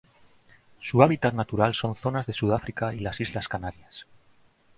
Su hábitat natural son zonas de Sudáfrica y las Islas Canarias.